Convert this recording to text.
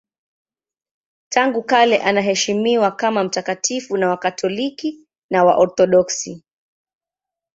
Tangu kale anaheshimiwa kama mtakatifu na Wakatoliki na Waorthodoksi.